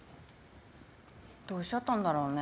どうしちゃったんだろうね。